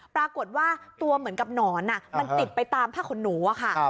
ปรากฏว่าตัวเหมือนกับหนอนมันติดไปตามผ้าขนหนูอะค่ะ